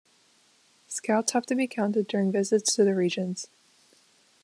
Scouts have to be counted during visits to the regions.